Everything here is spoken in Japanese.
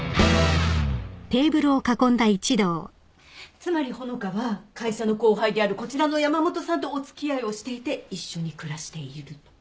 つまり穂香は会社の後輩であるこちらの山本さんとお付き合いをしていて一緒に暮らしていると。